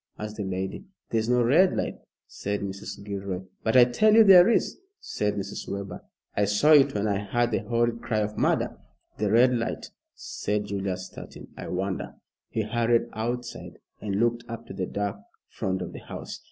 asked the lady. "There is no red light," said Mrs. Gilroy. "But I tell you there is," said Mrs. Webber. "I saw it when I heard the horrid cry of murder." "The red light," said Julius, starting. "I wonder" he hurried outside and looked up to the dark front of the house.